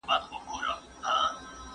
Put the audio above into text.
ورزش خوب ښه کوي.